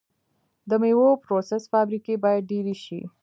د میوو پروسس فابریکې باید ډیرې شي.